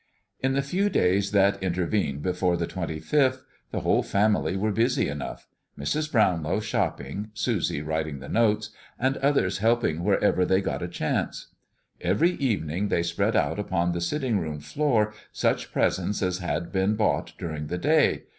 In the few days that intervened before the twenty fifth, the whole family were busy enough, Mrs. Brownlow shopping, Susie writing the notes, and the others helping wherever they got a chance. Every evening they spread out upon the sitting room floor such presents as had been bought during the day.